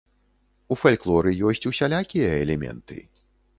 У фальклоры ёсць усялякія элементы.